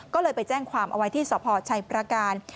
ก็เลยไปแจ้งความเอาไว้ที่สพชัยประการ